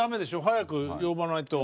早く呼ばないと。